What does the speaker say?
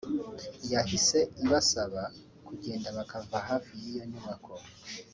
yahise ibasaba kugenda bakava hafi y’iyo nyubako